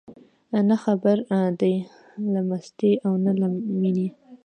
نه خبر دي له مستۍ او نه له مینې